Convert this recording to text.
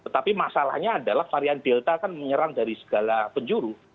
tapi masalahnya adalah varian delta kan menyerang dari segala penjuru